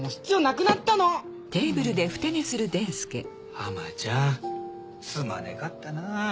ハマちゃんすまねがったなぁ。